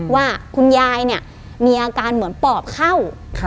ว่าคุณยายเนี่ยมีอาการเหมือนปอบเข้า